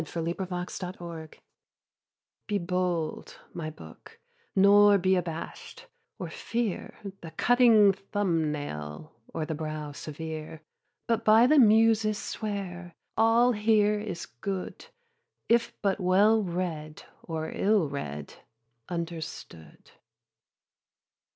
TO HIS BOOK Be bold, my Book, nor be abash'd, or fear The cutting thumb nail, or the brow severe; But by the Muses swear, all here is good, If but well read, or ill read, understood.